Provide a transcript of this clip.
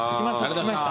着きました。